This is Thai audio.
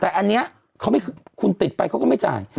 แต่อันนี้คือคุณติดไปเขาก็ไม่จ่าย